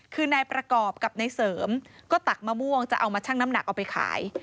คือนายประกอบกับนายเสริมก็ตักมะม่วงจะเอามาชั่งน้ำหนักเอาไปขาย